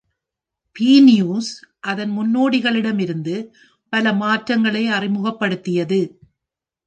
B news அதன் முன்னோடிகளிடமிருந்து பல மாற்றங்களை அறிமுகப்படுத்தியது.